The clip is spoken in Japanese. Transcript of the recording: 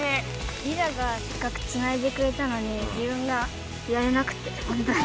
リラがせっかくつないでくれたのに自分がやれなくてほんとに。